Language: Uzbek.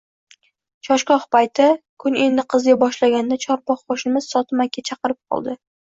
Choshgoh payti – kun endi qiziy boshlaganda chorbogʻ qoʻshnimiz Sotim aka chaqirib qoldi: